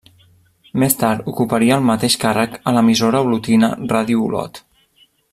Més tard ocuparia el mateix càrrec a l'emissora olotina Ràdio Olot.